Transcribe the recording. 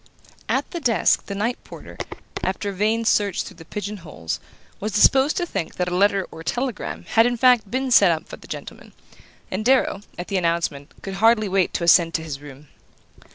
At the desk the night porter, after a vain search through the pigeon holes, was disposed to think that a letter or telegram had in fact been sent up for the gentleman; and Darrow, at the announcement, could hardly wait to ascend to his room.